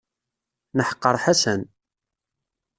Neḥqer Ḥasan.